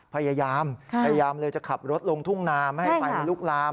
พยายามพยายามเลยจะขับรถลงทุ่งนาไม่ให้ไฟมันลุกลาม